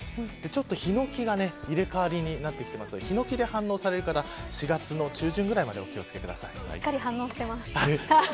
ちょっとヒノキが入れ替わりになってきていますがヒノキで反応される方４月の中旬ぐらいまでしっかり反応してます。